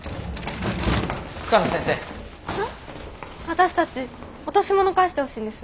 私たち落とし物返してほしいんです。